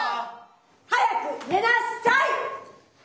早くねなさい！